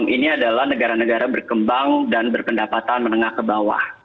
ini adalah negara negara berkembang dan berpendapatan menengah ke bawah